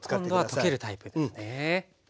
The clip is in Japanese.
今度は溶けるタイプですね。